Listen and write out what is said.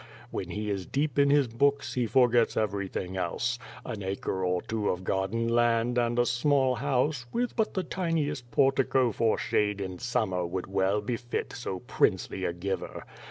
When he is deep in his l)ooks, he forgets everythin<r else. An acre or two of garden land, and a small house, with but the tiniest portico for shade in summer would well befit so princely a giver.